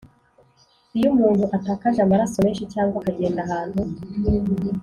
Iyo umuntu atakaje amaraso menshi cyangwa akagenda ahantu